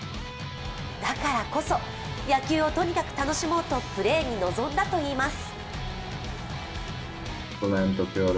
だからこそ、野球をとにかく楽しもうとプレーに臨んだといいます。